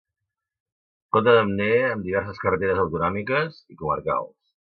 Compte també amb diverses carreteres autonòmiques i comarcals.